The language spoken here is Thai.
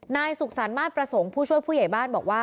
นายสุขสรรคมาสประสงค์ผู้ช่วยผู้ใหญ่บ้านบอกว่า